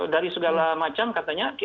dari segala macam katanya